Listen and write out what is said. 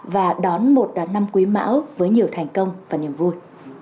và đón một đà năm quý mão với nhiều thành công và niềm vui